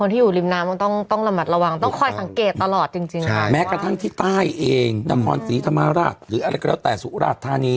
ตลอดจริงค่ะแม้กระทั่งที่ใต้เองนัมพรศรีธรรมราชหรืออะไรก็แล้วแต่สุรราษฎร์ธานี